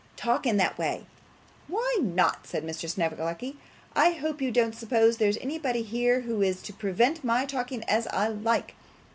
'Talk in that way.' 'Why not?' said Mr. Snevellicci. 'I hope you don't suppose there's anybody here who is to prevent my talking as I like?